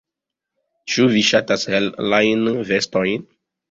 Ĉu vi ŝatas helajn vestojn?